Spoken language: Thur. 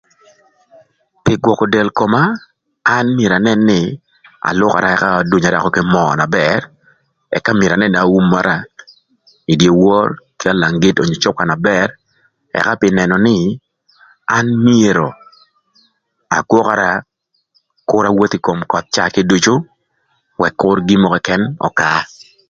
Pï gwökö del koma an myero anën nï alwökara ökö ëka adunyara kï möö na bër ëka myero anën nï aumara ï dyewor ka lang-git onyo cüka na bër ëka pï nënö nï an myero agwökara kür awotho ï kom köth caa kiducu ëk kür gin mörö këkën kür ökaa.